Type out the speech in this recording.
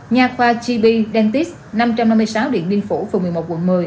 nhà khoa gb dentist năm trăm năm mươi sáu điện biên phủ phường một mươi một quận một mươi